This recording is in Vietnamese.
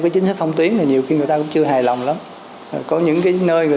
cái chính sách thông tiến thì nhiều khi người ta cũng chưa hài lòng lắm có những cái nơi người